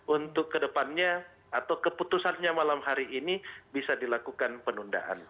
untuk kedepannya atau keputusannya malam hari ini bisa dilakukan penundaan